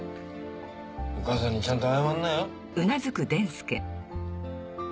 お母さんにちゃんと謝んなよ。